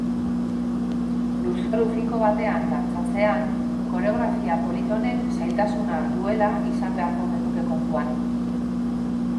Lurzoru finko batean dantzatzean koreografia polit honek zailtasuna duela izan beharko genuke kontuan.